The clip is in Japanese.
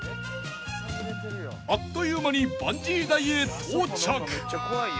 ［あっという間にバンジー台へ到着］